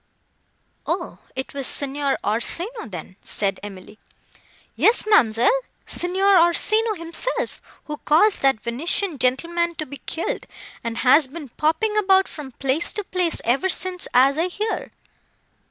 "O, it was Signor Orsino, then!" said Emily. "Yes, ma'amselle, Signor Orsino, himself, who caused that Venetian gentleman to be killed, and has been popping about from place to place, ever since, as I hear."